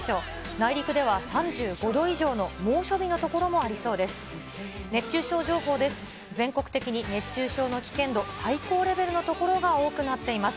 内陸では３５度以上の猛暑日の所もありそうです。